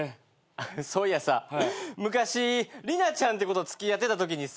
そういやさ昔リナちゃんって子と付き合ってたときにさ。